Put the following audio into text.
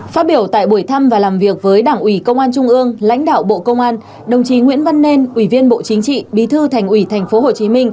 phát biểu tại buổi thăm và làm việc với đảng ủy công an trung ương lãnh đạo bộ công an đồng chí nguyễn văn nên ủy viên bộ chính trị bí thư thành ủy tp hcm